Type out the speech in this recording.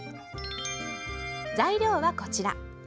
材料は、こちら。